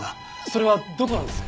それはどこなんです？